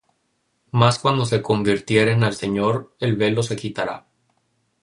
Mas cuando se convirtieren al Señor, el velo se quitará.